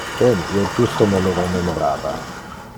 Ben, io justo me lo rememorava.